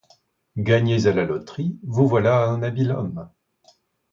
Gagnez à la loterie, vous voilà un habile homme.